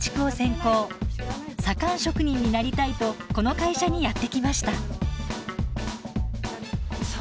左官職人になりたいとこの会社にやって来ました。